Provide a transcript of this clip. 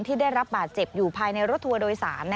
ที่ได้รับบาดเจ็บอยู่ภายในรถทัวร์โดยสาร